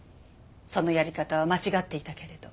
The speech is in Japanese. そのやり方は間違っていたけれど。